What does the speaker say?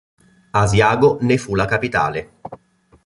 Asiago ne fu la capitale.